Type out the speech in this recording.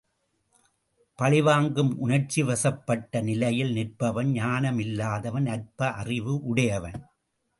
பழிவாங்கும் உணர்ச்சிவசப்பட்ட நிலையில் நிற்பவன் ஞானம் இல்லாதவன் அற்ப அறிவு உடையவன்.